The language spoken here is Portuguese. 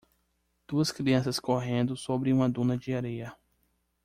Duas crianças correndo sobre uma duna de areia.